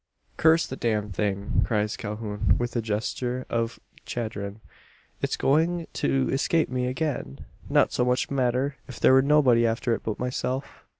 "Curse the damned thing!" cries Calhoun, with a gesture of chagrin. "It's going to escape me again! Not so much matter, if there were nobody after it but myself.